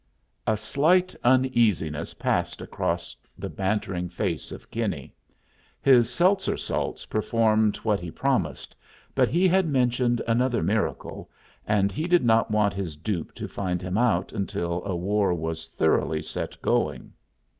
A slight uneasiness passed across the bantering face of Kinney. His Seltzer salts performed what he promised, but he had mentioned another miracle, and he did not want his dupe to find him out until a war was thoroughly set agoing.